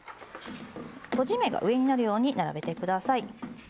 閉じ目が上になるように並べてください。